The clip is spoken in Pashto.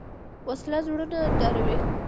وسله زړونه ډاروي